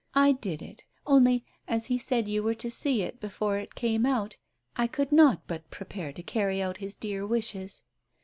I did it, only, as he said you were to see it, before it came out, I could not but prepare to carry out his dear wishes.